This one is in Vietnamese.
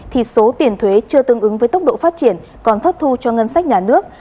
thì số tiền thuế chưa tương ứng với tốc độ phát triển còn thất thu cho ngân sách nhà nước